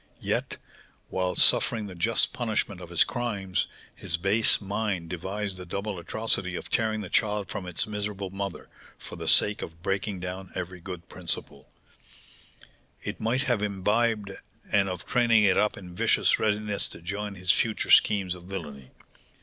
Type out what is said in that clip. Yet, while suffering the just punishment of his crimes, his base mind devised the double atrocity of tearing the child from its miserable mother, for the sake of breaking down every good principle it might have imbibed, and of training it up in vicious readiness to join his future schemes of villainy.